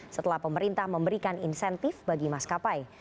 setelah pemerintah memberikan insentif bagi maskapai